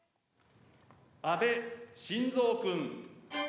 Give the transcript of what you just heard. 安倍晋三君。